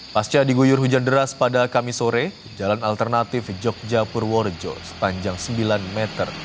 pasca diguyur hujan deras pada kamis sore jalan alternatif jogja purworejo sepanjang sembilan meter